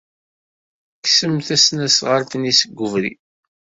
Kksemt tasnasɣalt-nni seg ubrid.